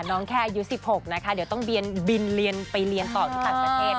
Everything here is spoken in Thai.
น้องแค่อายุ๑๖นะคะเดี๋ยวต้องบินไปเรียนต่ออีกครั้งประเทศนะครับ